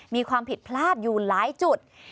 มีความผิดพลาดอยู่หลายจุด